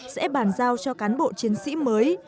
sẽ bàn giao cho cán bộ chiến sĩ mới